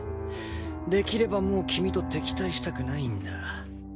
できればもう君と敵対したくないんだ。